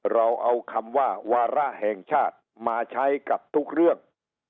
เราเอาคำว่าวาระแห่งชาติมาใช้กับทุกเรื่อง